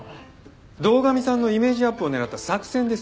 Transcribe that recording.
堂上さんのイメージアップを狙った作戦です。